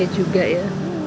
ya juga ya